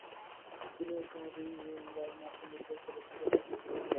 তিনি এই সময়ে দুইবার মার্কিন যুক্তরাষ্ট্রে বক্তৃতা দিতে গিয়েছিলেন।